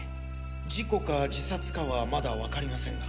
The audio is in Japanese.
事故か自殺かはまだ分かりませんが。